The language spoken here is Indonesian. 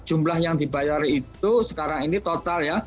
jumlah yang dibayar itu sekarang ini total ya